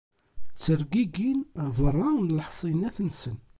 Ttergigin berra n leḥṣinat-nsen.